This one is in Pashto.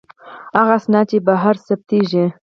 هغه اسناد چې بهر ثبتیږي.